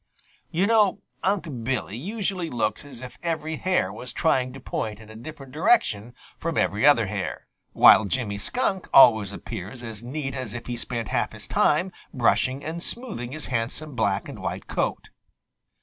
You know Unc' Billy usually looks as if every hair was trying to point in a different direction from every other hair, while Jimmy Skunk always appears as neat as if he spent half his time brushing and smoothing his handsome black and white coat.